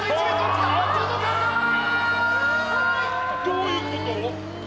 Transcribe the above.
どういうこと？